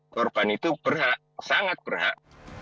korban itu sangat berhak